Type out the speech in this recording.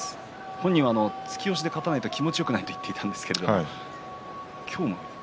本人は突き押しで勝たないと気持ちよくないと言っていたんですが今日も。